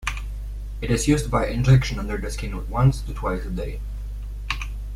It is used by injection under the skin once to twice a day.